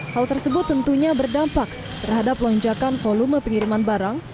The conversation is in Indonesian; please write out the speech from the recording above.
hal tersebut tentunya berdampak terhadap lonjakan volume pengiriman barang